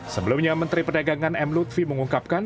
sebelumnya menteri perdagangan m lutfi mengungkapkan